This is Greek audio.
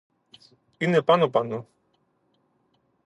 Είναι πάνω πάνω.